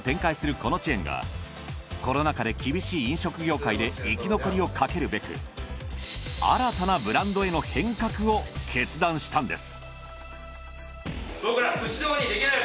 このチェーンがコロナ禍で厳しい飲食業界で生き残りをかけるべく新たなブランドへの変革を決断したんです。